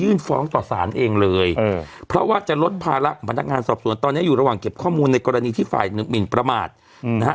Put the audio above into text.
ฟ้องต่อสารเองเลยเออเพราะว่าจะลดภาระของพนักงานสอบสวนตอนนี้อยู่ระหว่างเก็บข้อมูลในกรณีที่ฝ่ายหนึ่งหมินประมาทนะฮะ